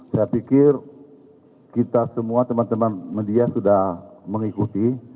saya pikir kita semua teman teman media sudah mengikuti